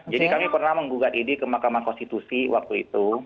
jadi kami pernah menggugat idi ke makam konstitusi waktu itu